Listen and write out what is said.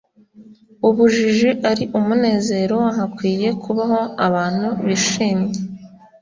ubujiji ari umunezero, hakwiye kubaho abantu bishimye